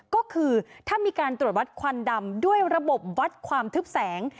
ก็คือถ้ามีการตรวจวัดควันดำด้วยระบบวัดความทึบแสง